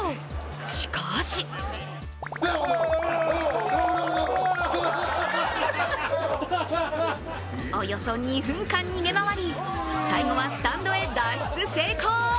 しかしおよそ２分間逃げ回り最後はスタンドで脱出成功。